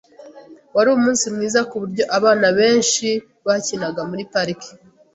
Wari umunsi mwiza kuburyo abana benshi bakinaga muri parike.